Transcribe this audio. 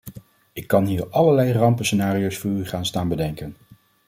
Ik kan hier allerlei rampenscenario's voor u gaan staan bedenken.